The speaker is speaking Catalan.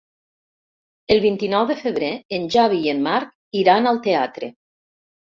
El vint-i-nou de febrer en Xavi i en Marc iran al teatre.